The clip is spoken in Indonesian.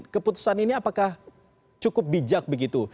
keputusan ini apakah cukup bijak begitu